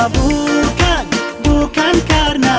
bukan bukan karena